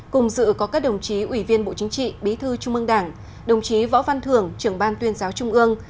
cùng dự có các đồng chí ủy viên bộ chính trị bí thư trung ương đảng đồng chí võ văn thưởng trưởng ban tuyên giáo trung ương